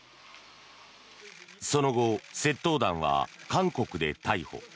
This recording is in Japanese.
その後、窃盗団は韓国で逮捕。